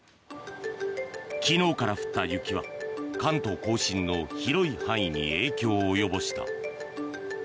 昨日から降った雪は関東・甲信の広い範囲に影響を及ぼした。